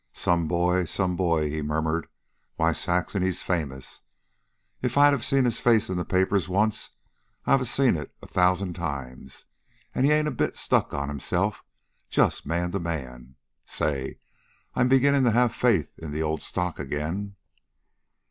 "Some boy, some boy," he murmured. "Why, Saxon, he's famous. If I've seen his face in the papers once, I've seen it a thousand times. An' he ain't a bit stuck on himself. Just man to man. Say! I'm beginnin' to have faith in the old stock again."